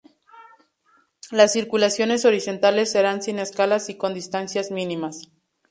Las circulaciones horizontales serán sin escalas y con distancias mínimas.